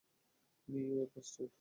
নিও এর কাজ এটা!